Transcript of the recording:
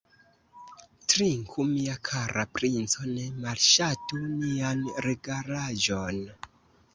Trinku, mia kara princo, ne malŝatu nian regalaĵon!